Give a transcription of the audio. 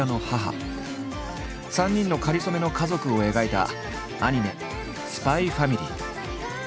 ３人のかりそめの家族を描いたアニメ「ＳＰＹ×ＦＡＭＩＬＹ」。